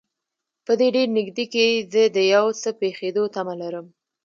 په دې ډېر نږدې کې زه د یو څه پېښېدو تمه لرم.